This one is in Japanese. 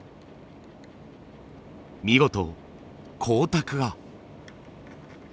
見事光沢が。